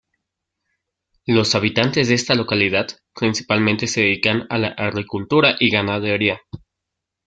Los habitantes de esta localidad principalmente se dedican a la agricultura y ganadería.